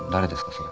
それ。